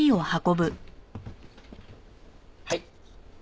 はい。